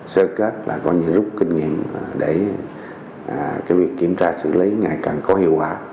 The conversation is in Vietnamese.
sơ kết là có những rút kinh nghiệm để việc kiểm tra xử lý ngày càng có hiệu quả